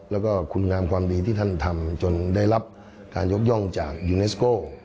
แล้วก็คุณงามความดีที่ท่านทำจนได้รับการยกย่องจากยูเนสโก้